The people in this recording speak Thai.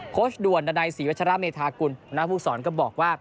โคชด่วนดนัยศรีวัชราบเมธากุลน้าภูกษรก็บอกว่า